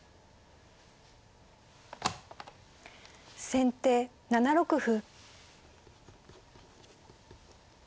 先手７六歩。